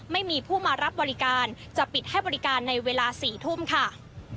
ไม่มีผู้มารับบริการจะปิดให้บริการในเวลา๔ทุ่มค่ะ